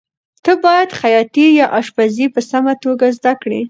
ته باید خیاطي یا اشپزي په سمه توګه زده کړې.